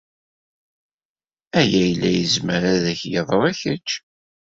Aya yella yezmer ad ak-yeḍru i kečč.